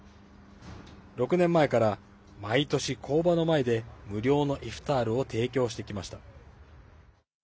６年前から毎年、工場の前で無料のイフタールを提供してきました。